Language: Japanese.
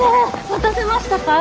待たせましたか？